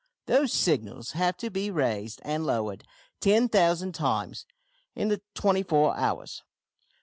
Those signals have to be raised and lowered 10,000 times in the twenty four hours.